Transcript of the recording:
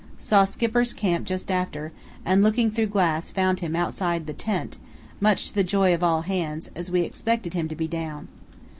Saw Skipper's camp just after, and looking through glass found him outside tent, much to the joy of all hands, as we expected him to be down.